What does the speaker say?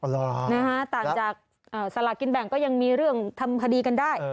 ต่างจากสลากกินแบ่งก็ยังมีเรื่องทำคดีกันได้